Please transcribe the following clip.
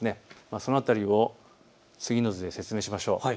その辺りを次の図で説明しましょう。